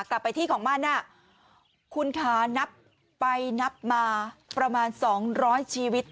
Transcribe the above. กลับไปที่ของม่าน่ะคุณคานับไปนับมาประมาณสองร้อยชีวิต